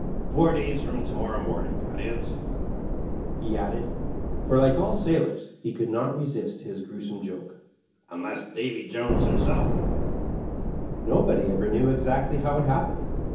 Fonr days from to morrow morning — ^that is," he added, for, like all sailors, he conld not resist his gruesome joke, "unless Davy Jones himself —^" Nobody ever knew exactly how it happened.